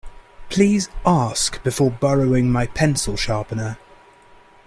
Please ask before borrowing my pencil sharpener.